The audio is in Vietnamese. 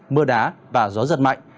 mưa đá và gió giật mạnh